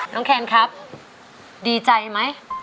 แคนครับดีใจไหม